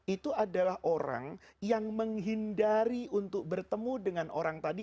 itu adalah orang yang menghindari untuk bertemu dengan orang tadi